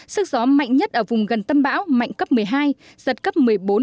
sức gió mạnh nhất ở vùng gần tâm báo mạnh cấp một mươi hai giật cấp một mươi bốn một mươi năm